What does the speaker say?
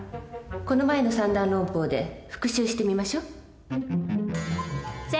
この前の三段論法で復習してみましょう。